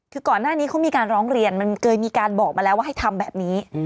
คือก่อนหน้านี้เขามีการร้องเรียนมันเคยมีการบอกมาแล้วว่าให้ทำแบบนี้